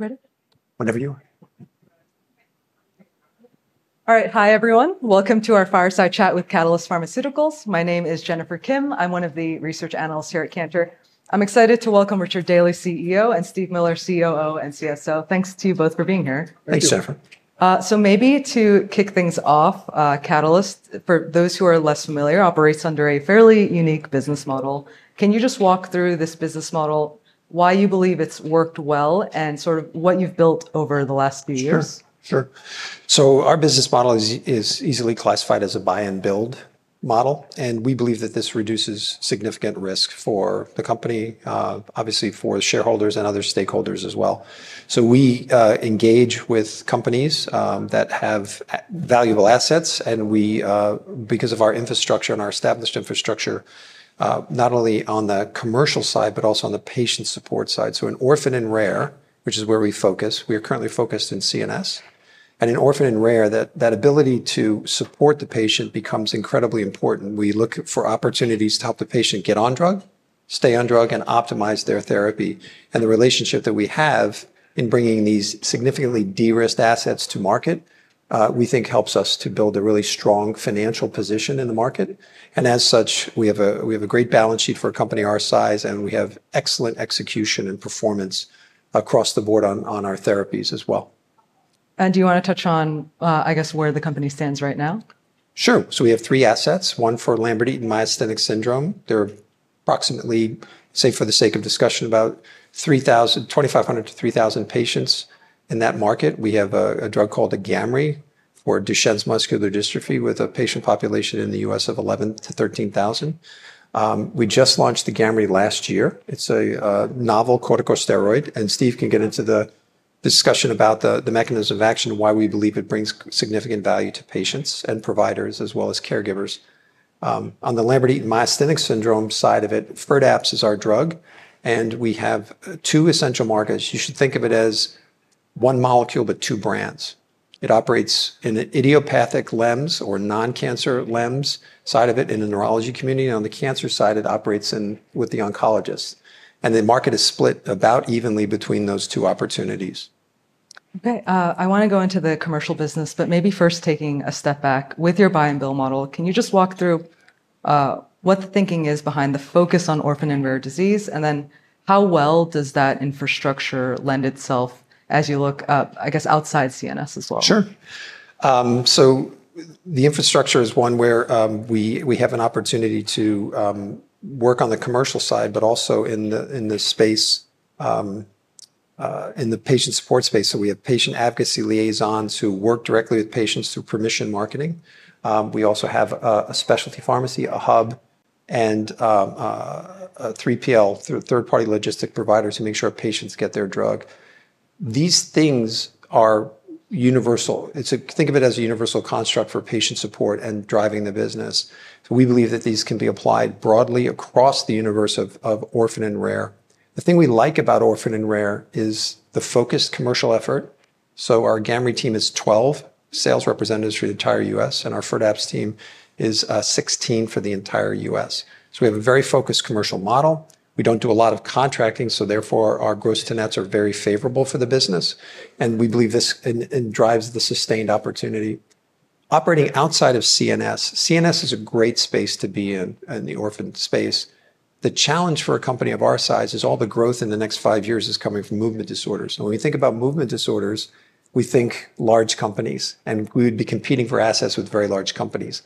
Ready? Whenever you are. All right. Hi, everyone. Welcome to our fireside chat with Catalyst Pharmaceuticals. My name is Jennifer Kim. I'm one of the Research Analysts here at Cantor. I'm excited to welcome Richard Daly, CEO, and Steve Miller, COO and CSO. Thanks to you both for being here. Thank you, Jennifer. To kick things off, Catalyst, for those who are less familiar, operates under a fairly unique business model. Can you just walk through this business model, why you believe it's worked well, and sort of what you've built over the last few years? Sure. Our business model is easily classified as a buy-and-build model. We believe that this reduces significant risk for the company, obviously for shareholders and other stakeholders as well. We engage with companies that have valuable assets because of our infrastructure and our established infrastructure, not only on the commercial side but also on the patient support side. In orphan and rare, which is where we focus, we are currently focused in CNS. In orphan and rare, that ability to support the patient becomes incredibly important. We look for opportunities to help the patient get on drug, stay on drug, and optimize their therapy. The relationship that we have in bringing these significantly de-risked assets to market, we think, helps us to build a really strong financial position in the market. As such, we have a great balance sheet for a company our size, and we have excellent execution and performance across the board on our therapies as well. Do you want to touch on, I guess, where the company stands right now? Sure. We have three assets, one for Lambert-Eaton myasthenic syndrome. There are approximately, say, for the sake of discussion, about 2,500- 3,000 patients in that market. We have a drug called AGAMREE, for Duchenne muscular dystrophy, with a patient population in the U.S. of 11,000- 13,000. We just launched AGAMREE last year. It's a novel corticosteroid. Steve can get into the discussion about the mechanism of action, why we believe it brings significant value to patients and providers, as well as caregivers. On the Lambert-Eaton myasthenic syndrome side of it, FIRDAPSE is our drug. We have two essential markets. You should think of it as one molecule, but two brands. It operates in the idiopathic LEMS, or non-cancer LEMS side of it in the neurology community. On the cancer side, it operates with the oncologists. The market is split about evenly between those two opportunities. OK. I want to go into the commercial business. Maybe first, taking a step back, with your buy-and-build model, can you just walk through what the thinking is behind the focus on orphan and rare disease? How well does that infrastructure lend itself as you look, I guess, outside CNS as well? Sure. The infrastructure is one where we have an opportunity to work on the commercial side, but also in the patient support space. We have patient advocacy liaisons who work directly with patients through permission marketing. We also have a specialty pharmacy, a hub, and a 3PL, third-party logistic provider, to make sure patients get their drug. These things are universal. Think of it as a universal construct for patient support and driving the business. We believe that these can be applied broadly across the universe of orphan and rare. The thing we like about orphan and rare is the focused commercial effort. Our AGAMREE team is 12 sales representatives for the entire U.S., and our FIRDAPSE team is 16 for the entire U.S. We have a very focused commercial model. We don't do a lot of contracting, therefore, our gross tenets are very favorable for the business. We believe this drives the sustained opportunity. Operating outside of CNS, CNS is a great space to be in, in the orphan space. The challenge for a company of our size is all the growth in the next five years is coming from movement disorders. When we think about movement disorders, we think large companies, and we would be competing for assets with very large companies.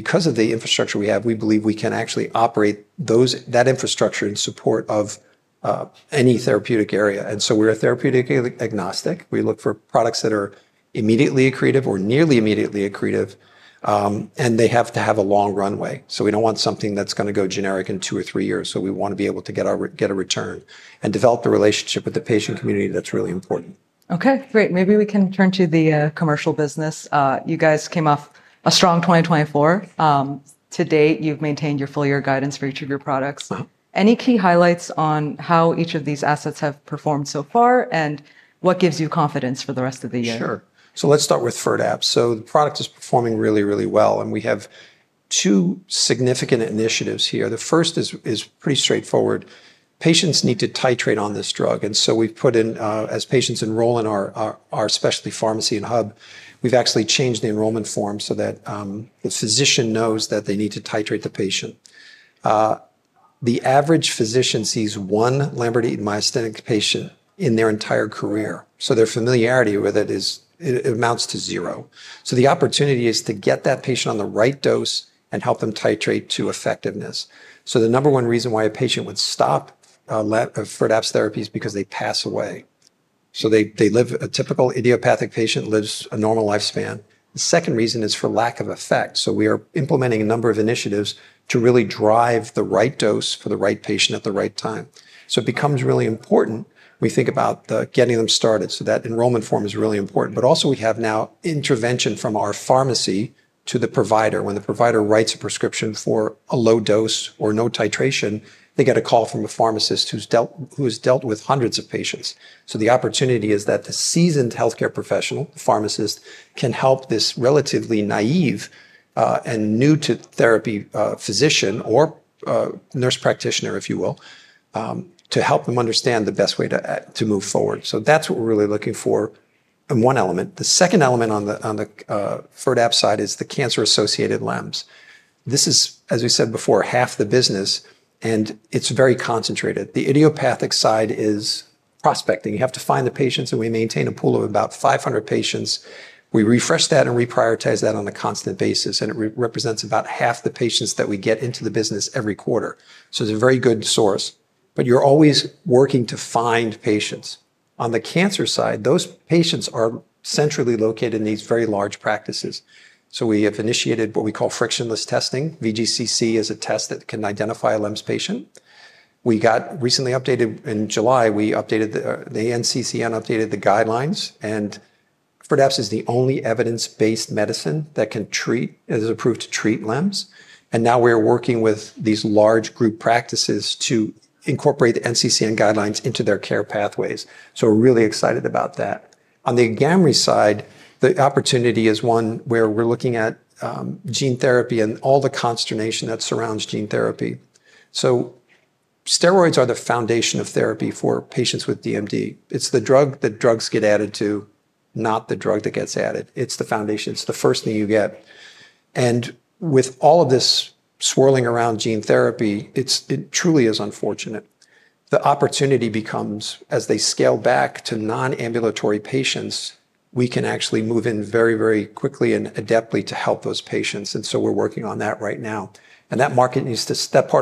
Because of the infrastructure we have, we believe we can actually operate that infrastructure in support of any therapeutic area. We're therapeutically agnostic. We look for products that are immediately accretive or nearly immediately accretive, and they have to have a long runway. We don't want something that's going to go generic in two or three years. We want to be able to get a return and develop the relationship with the patient community. That's really important. OK, great. Maybe we can turn to the commercial business. You guys came off a strong 2024. To date, you've maintained your full-year guidance for each of your products. Any key highlights on how each of these assets have performed so far? What gives you confidence for the rest of the year? Sure. Let's start with FIRDAPSE. The product is performing really, really well. We have two significant initiatives here. The first is pretty straightforward. Patients need to titrate on this drug. We've put in, as patients enroll in our specialty pharmacy and hub, we've actually changed the enrollment form so that the physician knows that they need to titrate the patient. The average physician sees one Lambert-Eaton myasthenic patient in their entire career. Their familiarity with it amounts to zero. The opportunity is to get that patient on the right dose and help them titrate to effectiveness. The number one reason why a patient would stop FIRDAPSE therapy is because they pass away. A typical idiopathic patient lives a normal lifespan. The second reason is for lack of effect. We are implementing a number of initiatives to really drive the right dose for the right patient at the right time. It becomes really important when we think about getting them started. That enrollment form is really important. We have now intervention from our pharmacy to the provider. When the provider writes a prescription for a low dose or no titration, they get a call from a pharmacist who's dealt with hundreds of patients. The opportunity is that the seasoned health care professional, the pharmacist, can help this relatively naive and new to therapy physician or nurse practitioner, if you will, to help them understand the best way to move forward. That's what we're really looking for in one element. The second element on the FIRDAPSE side is the cancer-associated LEMS. As we said before, half the business. It's very concentrated. The idiopathic side is prospecting. You have to find the patients. We maintain a pool of about 500 patients. We refresh that and reprioritize that on a constant basis. It represents about half the patients that we get into the business every quarter. It's a very good source. You're always working to find patients. On the cancer side, those patients are centrally located in these very large practices. We have initiated what we call frictionless testing. VGCC is a test that can identify a LEMS patient. We got recently updated in July. We updated the NCCN, updated the guidelines. FIRDAPSE is the only evidence-based medicine that can treat, is approved to treat LEMS. We are now working with these large group practices to incorporate the NCCN guidelines into their care pathways. We are really excited about that. On the AGAMREE side, the opportunity is one where we are looking at gene therapy and all the consternation that surrounds gene therapy. Steroids are the foundation of therapy for patients with Duchenne muscular dystrophy. It is the drug that drugs get added to, not the drug that gets added. It is the foundation. It is the first thing you get. With all of this swirling around gene therapy, it truly is unfortunate. The opportunity becomes, as they scale back to non-ambulatory patients, we can actually move in very, very quickly and adeptly to help those patients. We are working on that right now. That part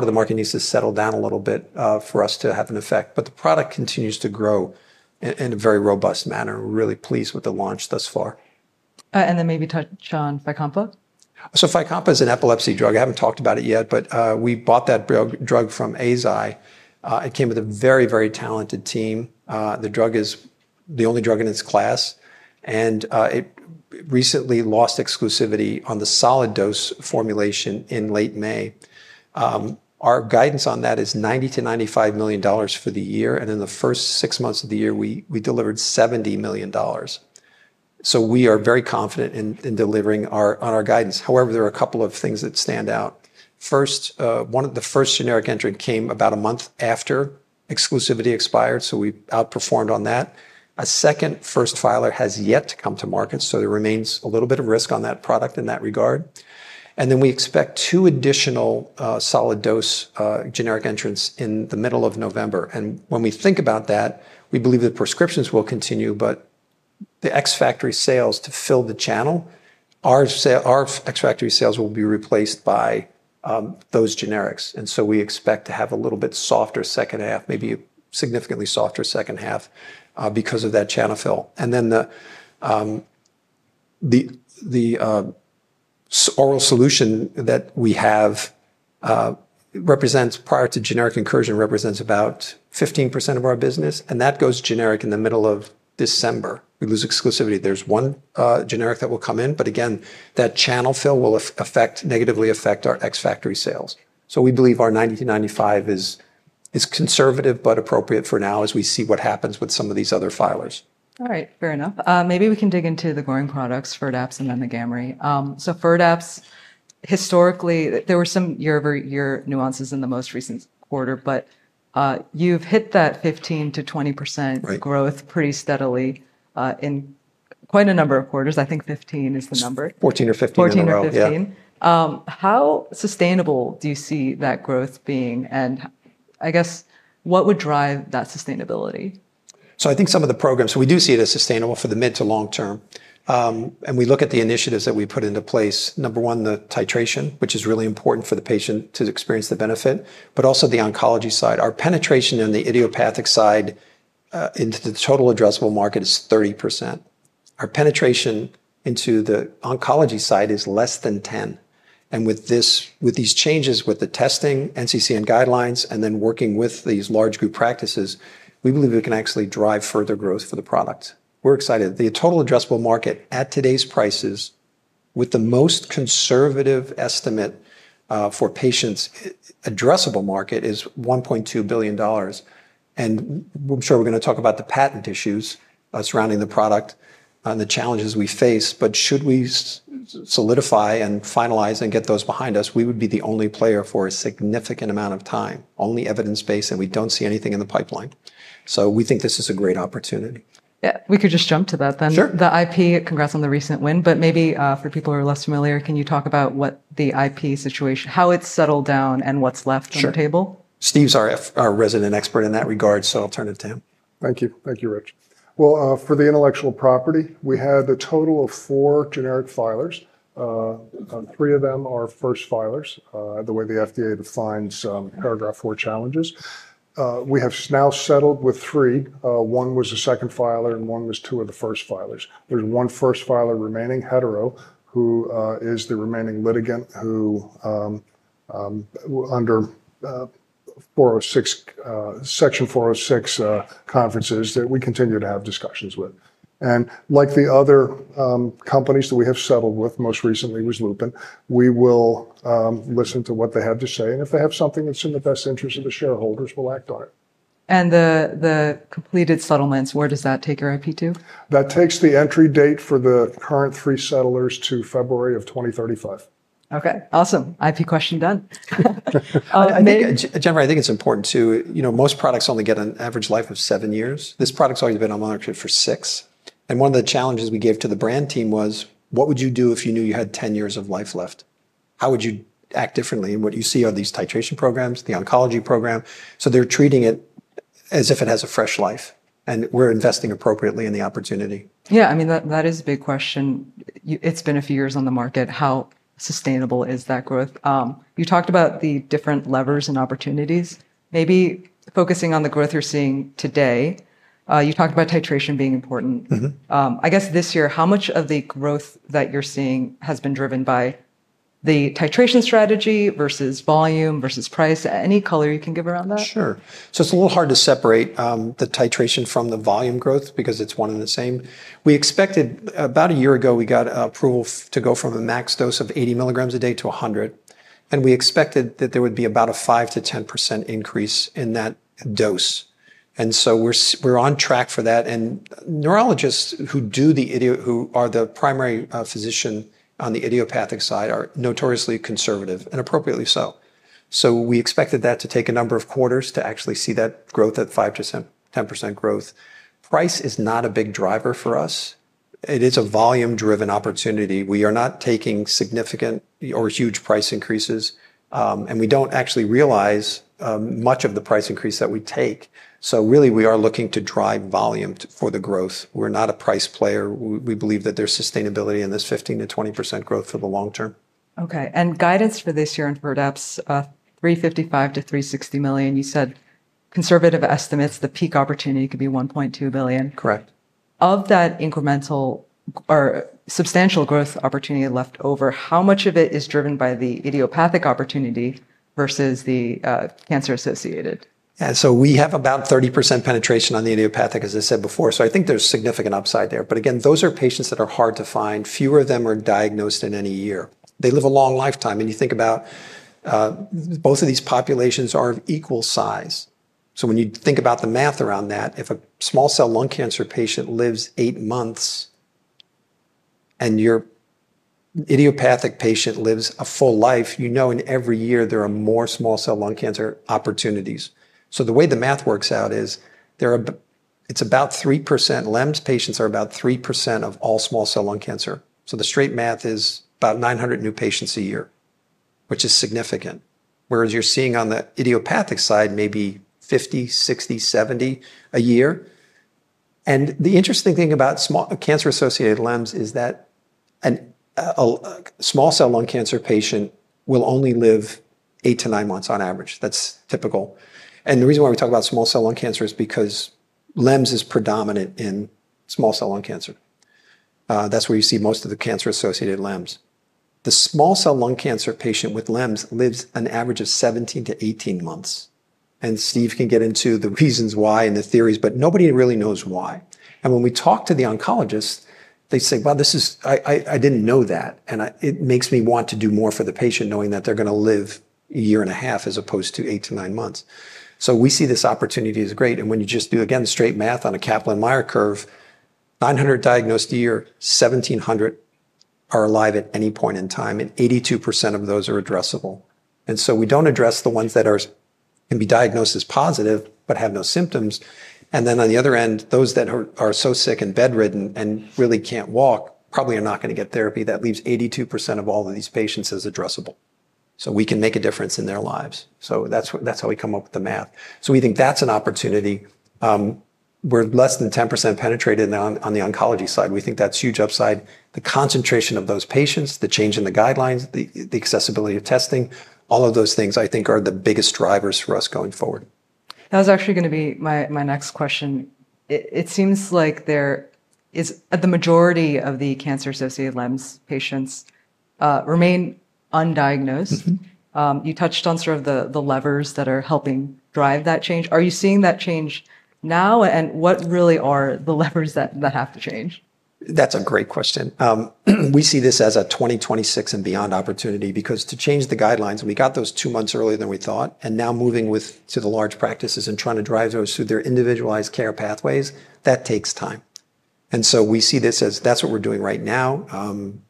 of the market needs to settle down a little bit for us to have an effect. The product continues to grow in a very robust manner. We are really pleased with the launch thus far. Maybe touch on FYCOMPA? FYCOMPA is an epilepsy drug. I haven't talked about it yet. We bought that drug from Eisai. It came with a very, very talented team. The drug is the only drug in its class. It recently lost exclusivity on the solid dose formulation in late May. Our guidance on that is $90 million- $95 million for the year. In the first six months of the year, we delivered $70 million. We are very confident in delivering on our guidance. However, there are a couple of things that stand out. First, the first generic entrant came about a month after exclusivity expired. We outperformed on that. A second first filer has yet to come to market. There remains a little bit of risk on that product in that regard. We expect two additional solid dose generic entrants in the middle of November. When we think about that, we believe the prescriptions will continue. The ex-factory sales to fill the channel, our ex-factory sales will be replaced by those generics. We expect to have a little bit softer second half, maybe a significantly softer second half because of that channel fill. The oral solution that we have, prior to generic incursion, represents about 15% of our business. That goes generic in the middle of December. We lose exclusivity. There is one generic that will come in. That channel fill will negatively affect our ex-factory sales. We believe our $90 million- $95 million is conservative, but appropriate for now as we see what happens with some of these other filers. All right. Fair enough. Maybe we can dig into the growing products, FIRDAPSE and then AGAMREE. So FIRDAPSE, historically, there were some year-over-year nuances in the most recent quarter. You've hit that 15%- 20% growth pretty steadily in quite a number of quarters. I think 15% is the number. 14% or 15%. 14% or 15%. How sustainable do you see that growth being? What would drive that sustainability? I think some of the programs, we do see it as sustainable for the mid to long term. We look at the initiatives that we put into place. Number one, the titration, which is really important for the patient to experience the benefit, but also the oncology side. Our penetration in the idiopathic side into the total addressable market is 30%. Our penetration into the oncology side is less than 10%. With these changes, with the testing, NCCN guidelines, and then working with these large group practices, we believe we can actually drive further growth for the products. We're excited. The total addressable market at today's prices, with the most conservative estimate for patients' addressable market, is $1.2 billion. I'm sure we're going to talk about the patent issues surrounding the product and the challenges we face. If we solidify and finalize and get those behind us, we would be the only player for a significant amount of time, only evidence-based. We don't see anything in the pipeline. We think this is a great opportunity. Yeah, we could just jump to that. The IP, congrats on the recent win. For people who are less familiar, can you talk about what the IP situation is, how it's settled down, and what's left on the table? Sure. Steve's our resident expert in that regard. I'll turn it to him. Thank you. Thank you, Rich. For the intellectual property, we had a total of four generic filers. Three of them are first filers, the way the FDA defines paragraph four challenges. We have now settled with three. One was a second filer, and one was two of the first filers. There's one first filer remaining, Hetero, who is the remaining litigant, who under Section 406 conferences we continue to have discussions with. Like the other companies that we have settled with, most recently was Lupin, we will listen to what they have to say. If they have something that's in the best interest of the shareholders, we'll act on it. The completed settlements, where does that take your intellectual property to? That takes the entry date for the current three settlers to February of 2035. OK, awesome. IP question done. Jennifer, I think it's important too, you know, most products only get an average life of seven years. This product's already been on the market for six. One of the challenges we gave to the brand team was, what would you do if you knew you had 10 years of life left? How would you act differently? What you see are these titration programs, the oncology program. They're treating it as if it has a fresh life, and we're investing appropriately in the opportunity. Yeah, I mean, that is a big question. It's been a few years on the market. How sustainable is that growth? You talked about the different levers and opportunities. Maybe focusing on the growth you're seeing today, you talked about titration being important. I guess this year, how much of the growth that you're seeing has been driven by the titration strategy versus volume versus price? Any color you can give around that? Sure. It's a little hard to separate the titration from the volume growth because it's one and the same. We expected, about a year ago, we got approval to go from a max dose of 80 mg a day to 100 mg. We expected that there would be about a 5%- 10% increase in that dose, and we're on track for that. Neurologists who are the primary physician on the idiopathic side are notoriously conservative, and appropriately so. We expected that to take a number of quarters to actually see that growth at 5%- 10% growth. Price is not a big driver for us. It is a volume-driven opportunity. We are not taking significant or huge price increases, and we don't actually realize much of the price increase that we take. Really, we are looking to drive volume for the growth. We're not a price player. We believe that there's sustainability in this 15%- 20% growth for the long- term. OK. Guidance for this year in FIRDAPSE, $355 million- $360 million. You said conservative estimates, the peak opportunity could be $1.2 billion. Correct. Of that incremental or substantial growth opportunity left over, how much of it is driven by the idiopathic opportunity versus the cancer-associated? We have about 30% penetration on the idiopathic, as I said before. I think there's significant upside there. Again, those are patients that are hard to find. Fewer of them are diagnosed in any year. They live a long lifetime. You think about both of these populations are of equal size. When you think about the math around that, if a small cell lung cancer patient lives eight months and your idiopathic patient lives a full life, you know in every year, there are more small cell lung cancer opportunities. The way the math works out is it's about 3%. LEMS patients are about 3% of all small cell lung cancer. The straight math is about 900 new patients a year, which is significant. Whereas you're seeing on the idiopathic side, maybe 50, 60, 70 a year. The interesting thing about cancer-associated LEMS is that a small cell lung cancer patient will only live eight to nine months on average. That's typical. The reason why we talk about small cell lung cancer is because LEMS is predominant in small cell lung cancer. That's where you see most of the cancer-associated LEMS. The small cell lung cancer patient with LEMS lives an average of 17- 18 months. Steve can get into the reasons why and the theories. Nobody really knows why. When we talk to the oncologists, they say, I didn't know that. It makes me want to do more for the patient, knowing that they're going to live a year and a half as opposed to eight to nine months. We see this opportunity as great. When you just do, again, the straight math on a Kaplan-Meier curve, 900 diagnosed a year, 1,700 are alive at any point in time. 82% of those are addressable. We don't address the ones that can be diagnosed as positive, but have no symptoms. On the other end, those that are so sick and bedridden and really can't walk, probably are not going to get therapy. That leaves 82% of all of these patients as addressable. We can make a difference in their lives. That's how we come up with the math. We think that's an opportunity. We're less than 10% penetrated on the oncology side. We think that's huge upside. The concentration of those patients, the change in the guidelines, the accessibility of testing, all of those things, I think, are the biggest drivers for us going forward. That was actually going to be my next question. It seems like the majority of the cancer-associated LEMS patients remain undiagnosed. You touched on sort of the levers that are helping drive that change. Are you seeing that change now? What really are the levers that have to change? That's a great question. We see this as a 2026 and beyond opportunity because to change the guidelines, we got those two months earlier than we thought. Now, moving to the large practices and trying to drive those through their individualized care pathways takes time. We see this as that's what we're doing right now.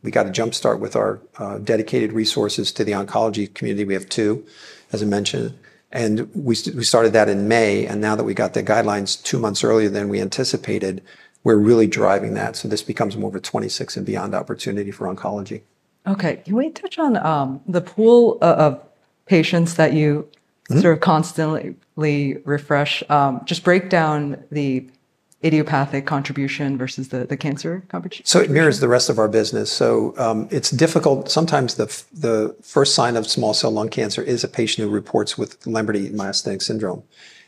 We got a jumpstart with our dedicated resources to the oncology community. We have two, as I mentioned, and we started that in May. Now that we got the guidelines two months earlier than we anticipated, we're really driving that. This becomes more of a 2026 and beyond opportunity for oncology. OK. Can we touch on the pool of patients that you sort of constantly refresh? Just break down the idiopathic contribution versus the cancer contribution. It mirrors the rest of our business. It's difficult. Sometimes the first sign of small cell lung cancer is a patient who reports with Lambert-Eaton myasthenic syndrome.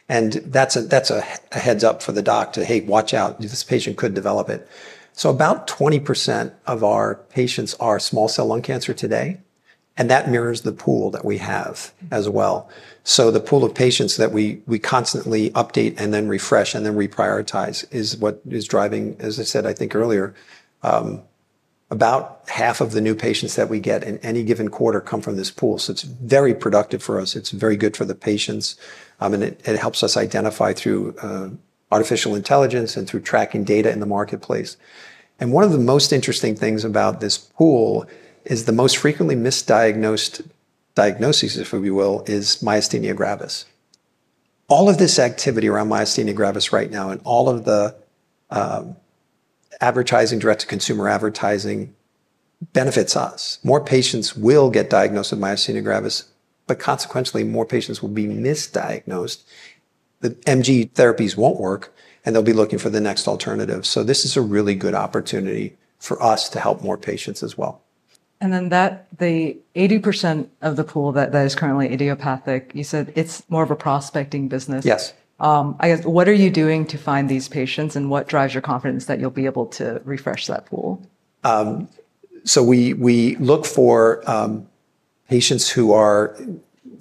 That's a heads up for the doc to, hey, watch out. This patient could develop it. About 20% of our patients are small cell lung cancer today. That mirrors the pool that we have as well. The pool of patients that we constantly update, refresh, and reprioritize is what is driving, as I said earlier. About half of the new patients that we get in any given quarter come from this pool. It's very productive for us. It's very good for the patients. It helps us identify through artificial intelligence and through tracking data in the marketplace. One of the most interesting things about this pool is the most frequently misdiagnosed diagnosis, if you will, is myasthenia gravis. All of this activity around myasthenia gravis right now and all of the advertising, direct-to-consumer advertising, benefits us. More patients will get diagnosed with myasthenia gravis. Consequentially, more patients will be misdiagnosed. The MG therapies won't work. They'll be looking for the next alternative. This is a really good opportunity for us to help more patients as well. The 80% of the pool that is currently idiopathic, you said it's more of a prospecting business. Yes. I guess, what are you doing to find these patients? What drives your confidence that you'll be able to refresh that pool? We look for patients who are,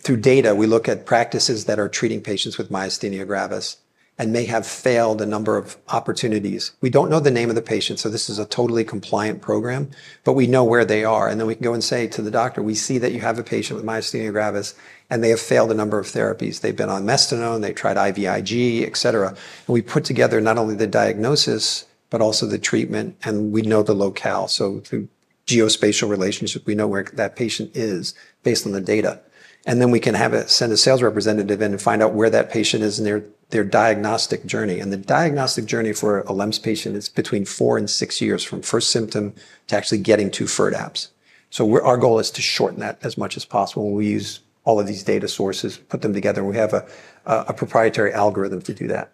through data, we look at practices that are treating patients with myasthenia gravis and may have failed a number of opportunities. We don't know the name of the patient. This is a totally compliant program. We know where they are, and we can go and say to the doctor, we see that you have a patient with myasthenia gravis, and they have failed a number of therapies. They've been on Mestinon, they've tried IVIG, et cetera. We put together not only the diagnosis, but also the treatment, and we know the locale. Through geospatial relationship, we know where that patient is based on the data. We can send a sales representative in and find out where that patient is in their diagnostic journey. The diagnostic journey for a LEMS patient is between four and six years from first symptom to actually getting to FIRDAPSE. Our goal is to shorten that as much as possible. We use all of these data sources, put them together, and we have a proprietary algorithm to do that.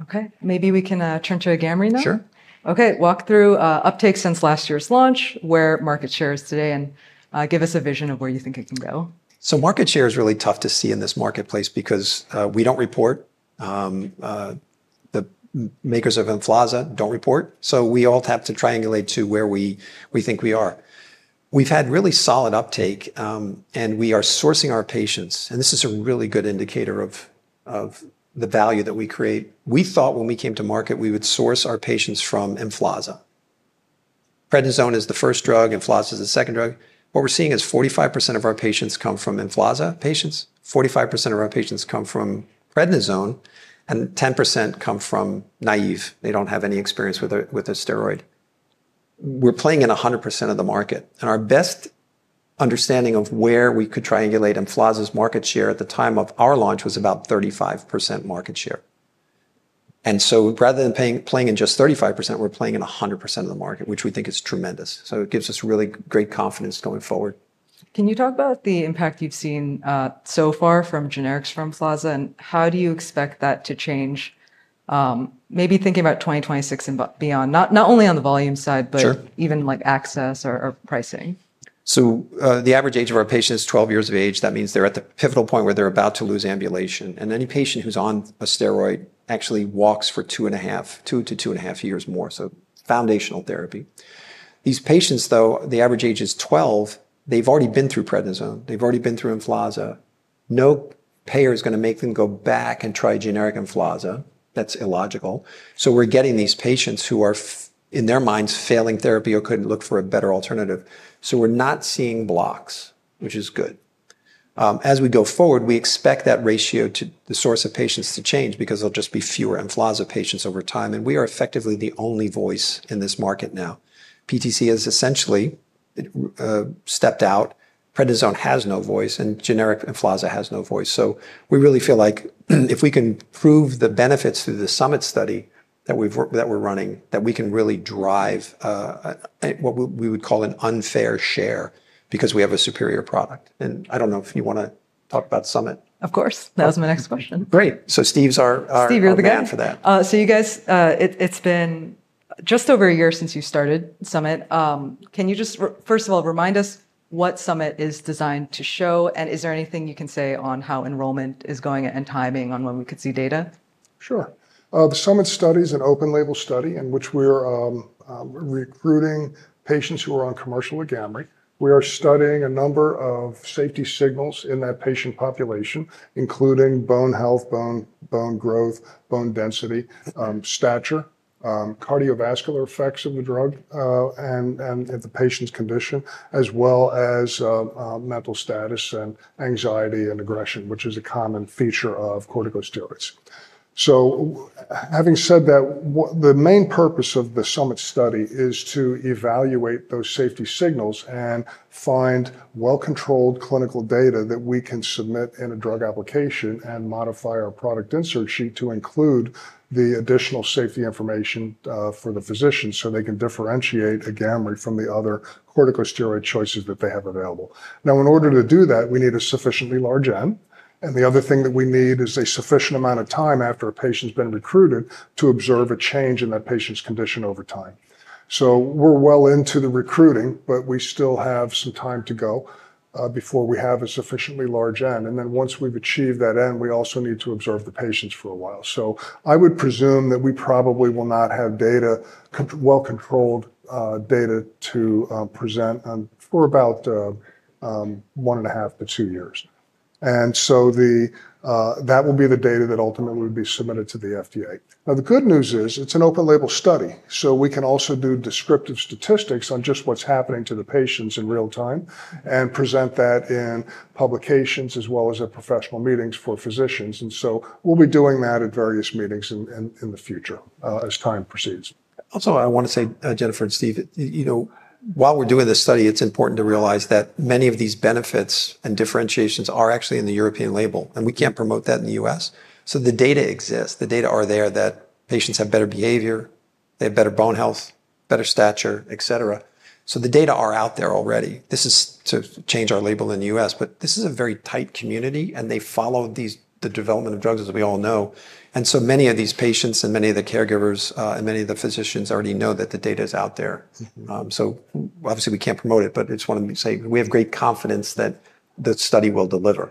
OK. Maybe we can turn to AGAMREE now. Sure. OK. Walk through uptake since last year's launch, where market share is today, and give us a vision of where you think it can go. Market share is really tough to see in this marketplace because we don't report. The makers of Influenza don't report. We all have to triangulate to where we think we are. We've had really solid uptake. We are sourcing our patients, and this is a really good indicator of the value that we create. We thought when we came to market, we would source our patients from Influenza. Prednisone is the first drug. Influenza is the second drug. What we're seeing is 45% of our patients come from Influenza patients, 45% of our patients come from prednisone, and 10% come from naive. They don't have any experience with a steroid. We're playing in 100% of the market. Our best understanding of where we could triangulate Influenza's market share at the time of our launch was about 35% market share. Rather than playing in just 35%, we're playing in 100% of the market, which we think is tremendous. It gives us really great confidence going forward. Can you talk about the impact you've seen so far from generics for deflazacort? How do you expect that to change, maybe thinking about 2026 and beyond, not only on the volume side, but even like access or pricing? The average age of our patients is 12 years of age. That means they're at the pivotal point where they're about to lose ambulation. Any patient who's on a steroid actually walks for two to two and a half years more. Foundational therapy. These patients, though, the average age is 12. They've already been through prednisone. They've already been through deflazacort. No payer is going to make them go back and try generic deflazacort. That's illogical. We're getting these patients who are, in their minds, failing therapy or couldn't look for a better alternative. We're not seeing blocks, which is good. As we go forward, we expect that ratio to the source of patients to change because there will just be fewer deflazacort patients over time. We are effectively the only voice in this market now. PTC has essentially stepped out. Prednisone has no voice. Generic deflazacort has no voice. We really feel like if we can prove the benefits through the Summit study that we're running, we can really drive what we would call an unfair share because we have a superior product. I don't know if you want to talk about Summit. Of course, that was my next question. Great. Steve's our man for that. It has been just over a year since you started Summit. Can you just, first of all, remind us what Summit is designed to show? Is there anything you can say on how enrollment is going and timing on when we could see data? Sure. The Summit study is an open-label study in which we're recruiting patients who are on commercial AGAMREE. We are studying a number of safety signals in that patient population, including bone health, bone growth, bone density, stature, cardiovascular effects of the drug, and the patient's condition, as well as mental status and anxiety and aggression, which is a common feature of corticosteroids. The main purpose of the Summit study is to evaluate those safety signals and find well-controlled clinical data that we can submit in a drug application and modify our product insert sheet to include the additional safety information for the physicians so they can differentiate AGAMREE from the other corticosteroid choices that they have available. In order to do that, we need a sufficiently large N. The other thing that we need is a sufficient amount of time after a patient's been recruited to observe a change in that patient's condition over time. We're well into the recruiting, but we still have some time to go before we have a sufficiently large N. Once we've achieved that N, we also need to observe the patients for a while. I would presume that we probably will not have data, well-controlled data to present for about one and a half to two years. That will be the data that ultimately will be submitted to the FDA. The good news is it's an open-label study, so we can also do descriptive statistics on just what's happening to the patients in real time and present that in publications, as well as at professional meetings for physicians. We'll be doing that at various meetings in the future as time proceeds. Also, I want to say, Jennifer and Steve, while we're doing this study, it's important to realize that many of these benefits and differentiations are actually in the European label. We can't promote that in the U.S. The data exists. The data are there that patients have better behavior, better bone health, better stature, et cetera. The data are out there already. This is to change our label in the U.S. This is a very tight community, and they follow the development of drugs, as we all know. Many of these patients, caregivers, and physicians already know that the data is out there. Obviously, we can't promote it, but I just wanted to say we have great confidence that the study will deliver.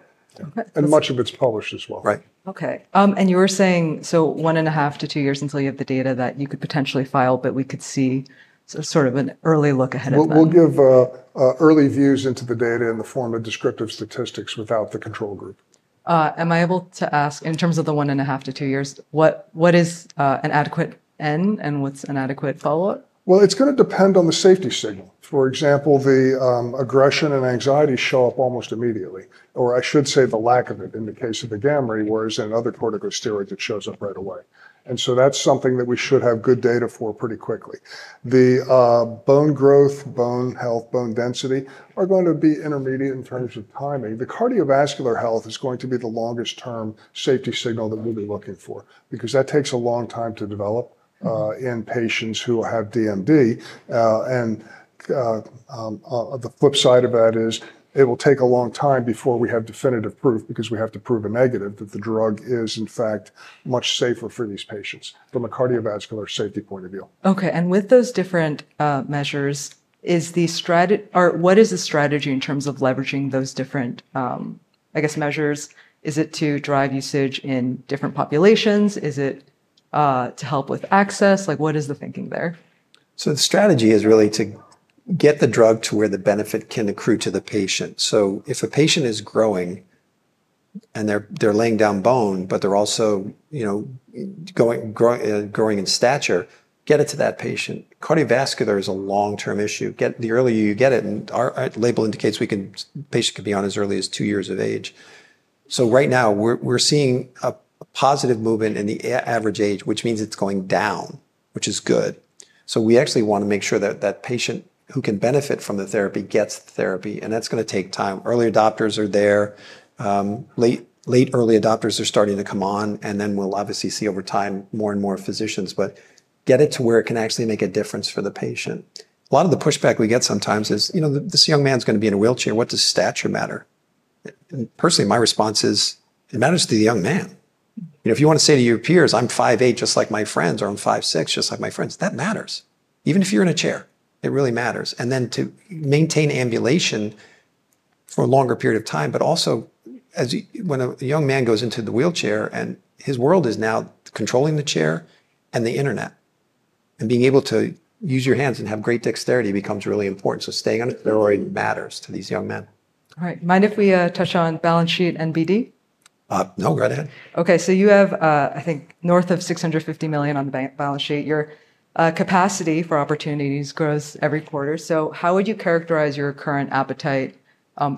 Much of it's published as well. Right. OK. You were saying, one and a half to two years until you have the data that you could potentially file. We could see sort of an early look ahead at that. We'll give early views into the data in the form of descriptive statistics without the control group. Am I able to ask, in terms of the one and a half to two years, what is an adequate N? What's an adequate follow-up? It's going to depend on the safety signal. For example, the aggression and anxiety show up almost immediately, or I should say the lack of it in the case of AGAMREE, whereas in other corticosteroids, it shows up right away. That's something that we should have good data for pretty quickly. The bone growth, bone health, bone density are going to be intermediate in terms of timing. The cardiovascular health is going to be the longest-term safety signal that we'll be looking for because that takes a long time to develop in patients who have DMD. The flip side of that is it will take a long time before we have definitive proof because we have to prove a negative that the drug is, in fact, much safer for these patients from a cardiovascular safety point of view. With those different measures, what is the strategy in terms of leveraging those different, I guess, measures? Is it to drive usage in different populations? Is it to help with access? What is the thinking there? The strategy is really to get the drug to where the benefit can accrue to the patient. If a patient is growing and they're laying down bone, but they're also growing in stature, get it to that patient. Cardiovascular is a long-term issue. The earlier you get it, and our label indicates the patient could be on as early as two years of age. Right now, we're seeing a positive movement in the average age, which means it's going down, which is good. We actually want to make sure that that patient who can benefit from the therapy gets the therapy. That's going to take time. Early adopters are there. Late, early adopters are starting to come on. Over time, more and more physicians will obviously see it. Get it to where it can actually make a difference for the patient. A lot of the pushback we get sometimes is, you know, this young man's going to be in a wheelchair. What does stature matter? Personally, my response is it matters to the young man. If you want to say to your peers, I'm 5'8", just like my friends, or I'm 5'6", just like my friends, that matters. Even if you're in a chair, it really matters. To maintain ambulation for a longer period of time. When a young man goes into the wheelchair and his world is now controlling the chair and the internet, being able to use your hands and have great dexterity becomes really important. Staying on steroid matters to these young men. All right. Mind if we touch on balance sheet and BD? No, go ahead. OK. You have, I think, north of $650 million on the balance sheet. Your capacity for opportunities grows every quarter. How would you characterize your current appetite,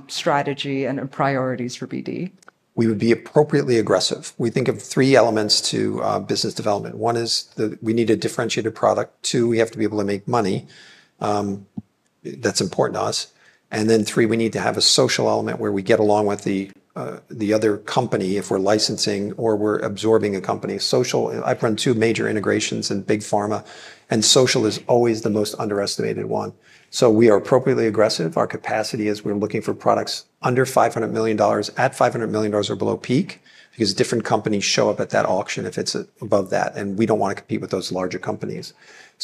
strategy, and priorities for BD? We would be appropriately aggressive. We think of three elements to business development. One is that we need a differentiated product. Two, we have to be able to make money. That's important to us. Three, we need to have a social element where we get along with the other company if we're licensing or we're absorbing a company. Social, I've run two major integrations in big pharma, and social is always the most underestimated one. We are appropriately aggressive. Our capacity is we're looking for products under $500 million, at $500 million, or below peak because different companies show up at that auction if it's above that. We don't want to compete with those larger companies.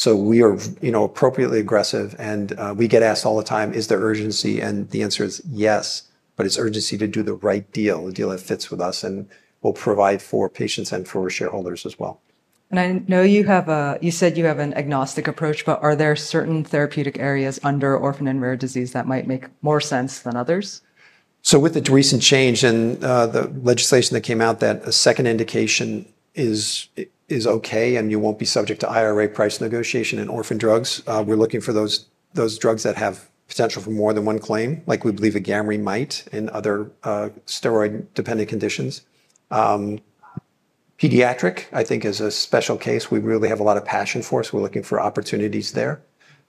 We are appropriately aggressive. We get asked all the time, is there urgency? The answer is yes. It's urgency to do the right deal, a deal that fits with us and will provide for patients and for shareholders as well. I know you said you have an agnostic approach. Are there certain therapeutic areas under orphan and rare disease that might make more sense than others? With the recent change and the legislation that came out, that a second indication is OK, and you won't be subject to IRA price negotiation in orphan drugs, we're looking for those drugs that have potential for more than one claim, like we believe AGAMREE might in other steroid-dependent conditions. Pediatric, I think, is a special case we really have a lot of passion for. We're looking for opportunities there.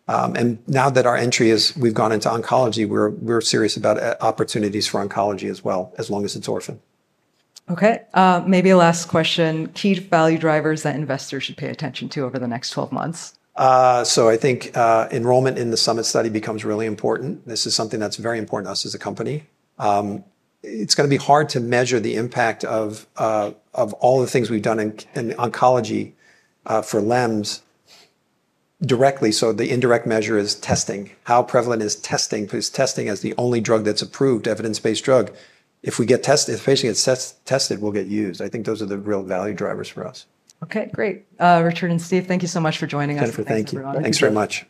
Now that our entry is we've gone into oncology, we're serious about opportunities for oncology as well, as long as it's orphan. OK. Maybe a last question. Key value drivers that investors should pay attention to over the next 12 months? I think enrollment in the Summit study becomes really important. This is something that's very important to us as a company. It's going to be hard to measure the impact of all the things we've done in oncology for LEMS directly. The indirect measure is testing. How prevalent is testing? Because testing is the only drug that's approved, evidence-based drug. If we get tested, if a patient gets tested, we'll get used. I think those are the real value drivers for us. OK, great. Richard and Steve, thank you so much for joining us today. Jennifer, thank you. Thanks very much.